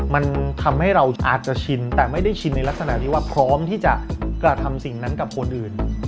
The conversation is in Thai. มันทำให้เราอาจจะชินแต่ไม่ได้ชินในลักษณะที่ว่าพร้อมที่จะกระทำสิ่งนั้นกับคนอื่น